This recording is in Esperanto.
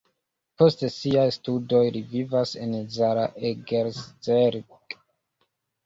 Post siaj studoj li vivas en Zalaegerszeg.